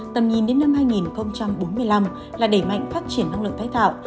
tầm nhìn đến năm hai nghìn bốn mươi năm là đẩy mạnh phát triển năng lượng tái tạo